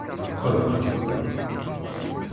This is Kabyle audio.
Nqeb.